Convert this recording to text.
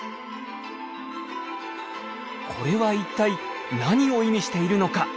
これは一体何を意味しているのか？